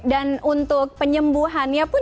dan untuk penyembuhannya pun